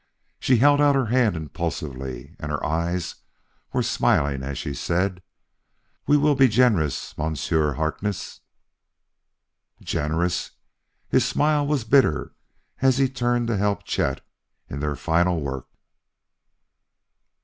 She held out her hand impulsively, and her eyes were smiling as she said; "We will be generous, Monsieur Harkness " "Generous!" His smile was bitter as he turned to help Chet in their final work.